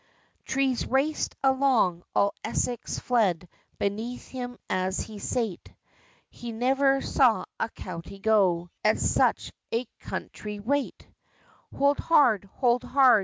Trees raced along, all Essex fled Beneath him as he sate, He never saw a county go At such a county rate! "Hold hard! hold hard!